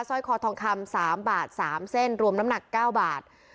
ร้อยคอทองคำ๓บาท๓เส้นรวมน้ำหนัก๙บาท